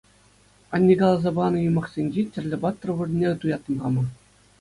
Анне каласа панӑ юмахсенчи тӗрлӗ паттӑр вырӑнне туяттӑм хама.